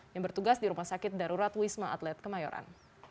yang bertugas di rumah sakit darurat wisma atlet kemayoran